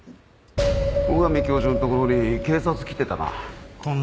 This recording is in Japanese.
最上教授のところに警察来てたな。